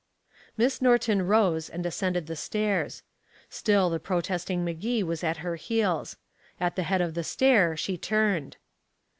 Miss Norton rose and ascended the stairs. Still the protesting Magee was at her heels. At the head of the stair she turned.